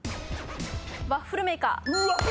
ワッフルメーカー。